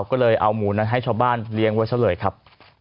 ก็เลยเอาหมูนั้นให้ชาวบ้านเลี้ยงไว้ซะเลยครับ